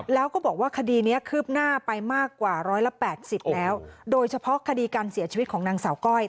แล้วก็บอกว่าคดีนี้คืบหน้าไปมากกว่าร้อยละแปดสิบแล้วโดยเฉพาะคดีการเสียชีวิตของนางสาวก้อย